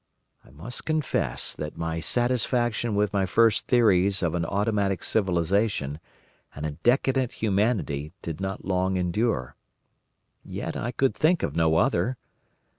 "I must confess that my satisfaction with my first theories of an automatic civilisation and a decadent humanity did not long endure. Yet I could think of no other.